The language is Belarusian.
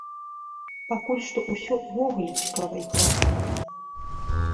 Пакуль што ўсё ўвогуле цікава і класна.